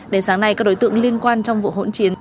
đến sáng nay các đối tượng liên quan trong vụ hỗn chiến